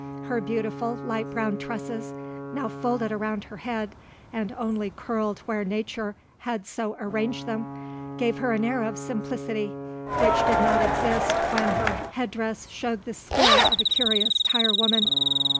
Her beautiful light brown tresses, now folded around her head, and only curled where nature had so arranged them, gave her an air of simplicity, which did not exist when her head dress showed the skill of a curious tire woman.